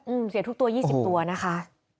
อืมเสียทุกตัว๒๐ตัวนะคะ